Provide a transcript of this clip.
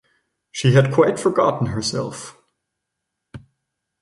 She had quite forgotten herself.